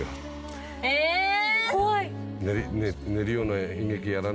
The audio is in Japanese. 怖い。